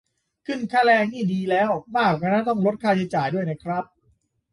ขึ้นค่าแรงนี่ดีแล้ว มากไปกว่านั้นต้องลดค่าใช้จ่ายด้วยน่ะครับ